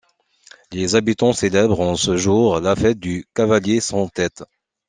Les habitants célèbrent en ce jour la fête du cavalier sans tête.